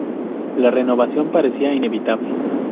La renovación parecía inevitable.